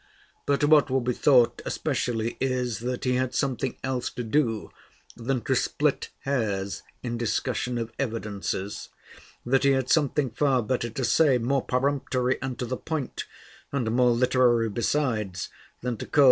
But what will be thought especially is, that he had something else to do than to split hairs in discussion of evidences; that he had something far better to say, more peremptory and to the point, and more literary besides, than to call M.